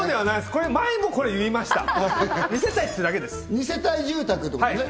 これ前もこれ言いました２世帯ってだけです